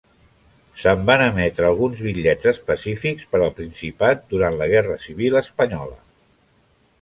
Se'n van emetre alguns bitllets específics per al Principat durant la Guerra Civil espanyola.